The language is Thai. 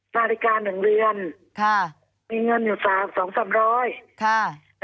นาฬิกาหนึ่งเรือน